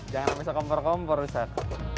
jangan bisa kompor kompor rusak